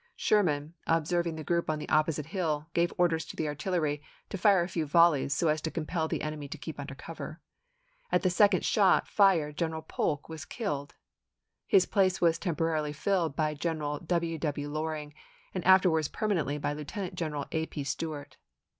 Sherman, observ ing the group on the opposite hill, gave orders to the artillery to fire a few volleys so as to compel the enemy to keep under cover. At the second shot fired General Polk was killed. His place was tem porarily filled by General W. W. Loring, and after wards permanently by Lieutenant General A. P. Stewart.